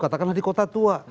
katakanlah di kota tua